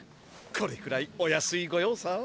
これくらいお安いごようさ。